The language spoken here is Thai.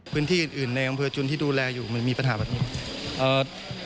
พื้นที่อื่นอื่นในอำเภอจุนที่ดูแลอยู่เหมือนมีปัญหาแบบนี้